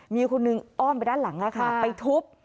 มีคนหนึ่งอ้อมไปด้านหลังไปทุบ